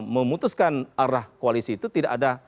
memutuskan arah koalisi itu tidak ada